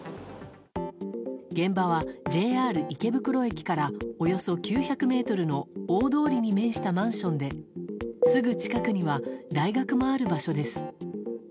現場は、ＪＲ池袋駅からおよそ９００ｍの大通りに面したマンションですぐ近くには大学もある場所です。